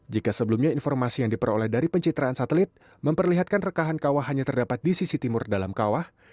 jika sebelumnya informasi yang diperoleh dari pencitraan satelit memperlihatkan rekahan kawah hanya terdapat di sisi timur dalam kawah